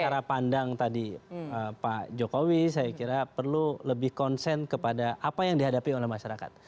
cara pandang tadi pak jokowi saya kira perlu lebih konsen kepada apa yang dihadapi oleh masyarakat